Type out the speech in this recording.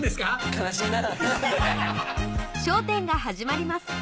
悲しいな。